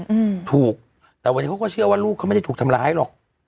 อืมถูกแต่วันนี้เขาก็เชื่อว่าลูกเขาไม่ได้ถูกทำร้ายหรอก